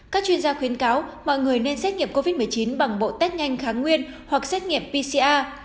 các chuyên gia khuyến cáo mọi người nên xét nghiệm covid một mươi chín bằng bộ test nhanh kháng nguyên hoặc xét nghiệm pcr